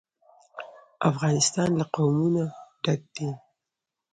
افغانستان له قومونه ډک دی.